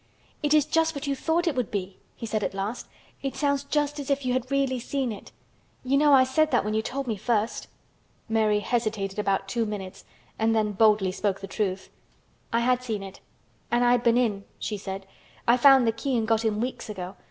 "It is just what you thought it would be," he said at last. "It sounds just as if you had really seen it. You know I said that when you told me first." Mary hesitated about two minutes and then boldly spoke the truth. "I had seen it—and I had been in," she said. "I found the key and got in weeks ago.